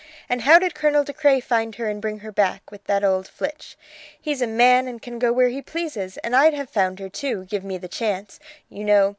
And how did Colonel De Craye find her and bring her back, with that old Flitch? He's a man and can go where he pleases, and I'd have found her, too, give me the chance. You know.